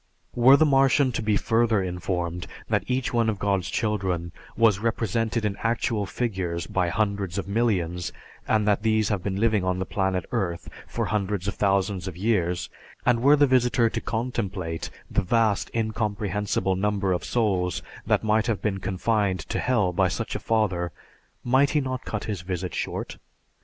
Were the Martian to be further informed that each one of God's children was represented in actual figures by hundreds of millions and that these have been living on the planet Earth for hundreds of thousands of years, and were the visitor to contemplate the vast incomprehensible number of souls that have been confined to Hell by such a father, might he not cut his visit short?